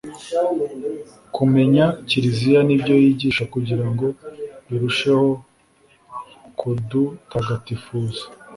kumenya kiliziya n’ibyo yigisha kugira ngo birusheho kudutagatifuza.